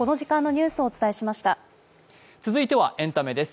続いてはエンタメです。